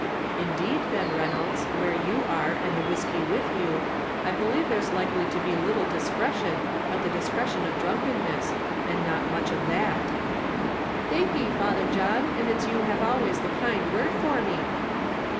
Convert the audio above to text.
"Indeed, then, Reynolds, where you are, and the whiskey with you, I believe there's likely to be little discretion but the discretion of drunkenness, and not much of that." "Thank ye, Father John, and it's you have always the kind word for me."